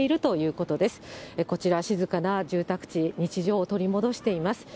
こちら、静かな住宅地、日常を取り戻しています。